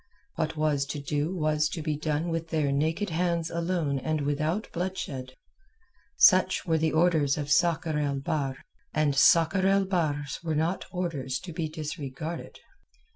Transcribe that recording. What was to do was to be done with their naked hands alone and without bloodshed. Such were the orders of Sakr el Bahr, and Sakr el Bahr's were not orders to be disregarded.